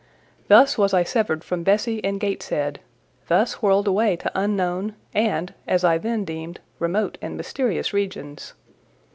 Thus was I severed from Bessie and Gateshead; thus whirled away to unknown, and, as I then deemed, remote and mysterious regions.